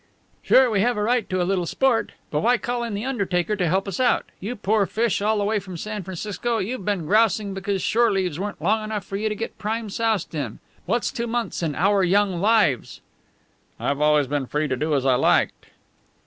"Sure, we have a right to a little sport! But why call in the undertaker to help us out? You poor fish, all the way from San Francisco you've been grousing because shore leaves weren't long enough for you to get prime soused in. What's two months in our young lives?" "I've always been free to do as I liked."